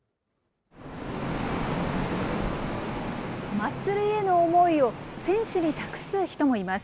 祭りへの思いを、選手に託す人もいます。